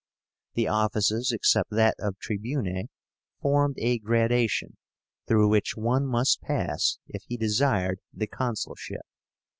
The offices, except that of Tribune, formed a gradation, through which one must pass if he desired the consulship.